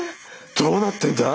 どうなってんだ？